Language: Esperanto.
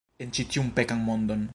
En ĉi tiun pekan mondon.